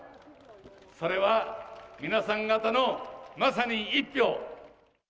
それは、皆さん方のまさに一票。